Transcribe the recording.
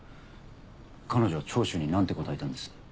彼女は聴取に何て答えたんです？